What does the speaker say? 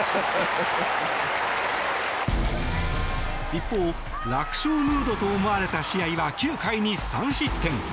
一方、楽勝ムードと思われた試合は９回に３失点。